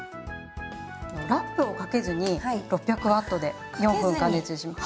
ラップをかけずに６００Ｗで４分加熱します。